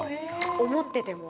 思ってても。